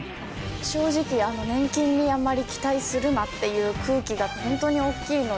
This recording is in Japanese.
正直年金にあんまり期待するなっていう空気が本当に大きいので。